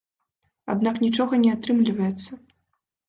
Аднак нічога не атрымліваецца.